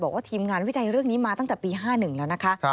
ทีมงานวิจัยเรื่องนี้มาตั้งแต่ปี๕๑แล้วนะคะ